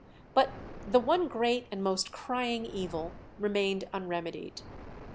But the one great and most crying evil remained unremedied.